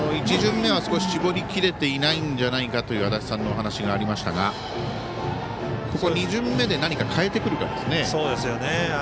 １巡目は少し絞りきれていないんじゃないかという足達さんのお話がありましたが２巡目で何か変えてくるかですね。